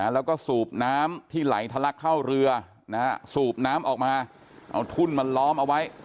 แล้วก็สูบน้ำที่ไหลทะลักเข้าเรือสูบน้ำออกมาเอาทุ่นมาล้อมเอาไว้